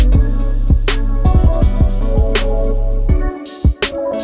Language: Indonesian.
kau bakal jawab